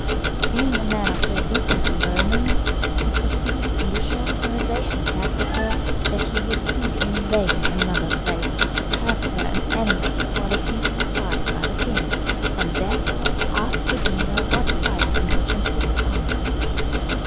Being a man of great wisdom and learning, he perceived in the short conversation he had with her that he would seek in vain another slave to surpass her in any of the qualities required by the king, and therefore asked the dealer what price the merchant put upon her.